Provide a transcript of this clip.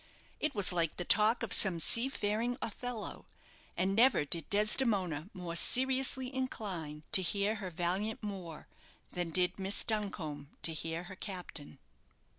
It was like the talk of some sea faring Othello; and never did Desdemona more "seriously incline" to hear her valiant Moor than did Miss Duncombe to hear her captain.